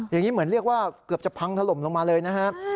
อย่างนี้เหมือนเรียกว่าเกือบจะพังถล่มลงมาเลยนะครับ